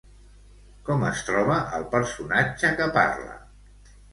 Com es troba el personatge que parla?